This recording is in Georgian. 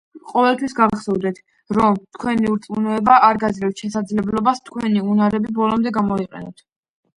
ყოველთვის გახსოვდეთ, რომ თქვენი ურწმუნოება არ გაძლევთ შესაძლებლობას თქვენი უნარები ბოლომდე გამოიყენოთ.